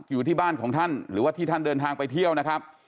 อยู่ที่บ้านของท่านหรือว่าที่ท่านเดินทางไปเที่ยวนะครับ